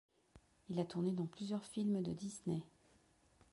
Il a tourné dans plusieurs films de Disney.